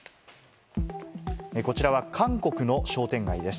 こちらは韓国の商店街です。